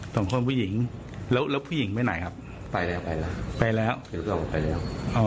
สองคนผู้หญิงแล้วแล้วผู้หญิงไปไหนครับไปแล้วไปแล้วไปแล้วอ๋อ